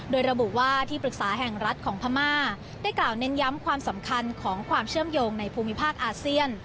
โดยระบุว่าที่ปรึกษาแห่งรัฐของพม่าได้กล่าวเน้นย้ำความสำคัญของความเชื่อมโยงในภูมิภาคอาเซียน